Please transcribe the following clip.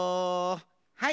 はい！